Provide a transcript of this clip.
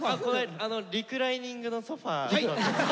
リクライニングのソファー。